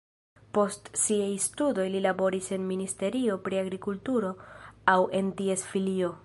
Post siaj studoj li laboris en ministerio pri agrikulturo aŭ en ties filio.